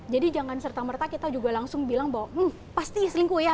jadi jangan serta merta kita juga langsung bilang bahwa hmm pasti selingkuh ya